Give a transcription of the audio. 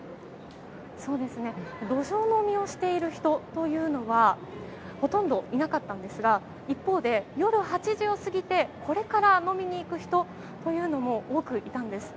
路上飲みをしている人はほとんどいなかったんですが一方で夜８時を過ぎてこれから飲みに行く人というのも多くいたんです。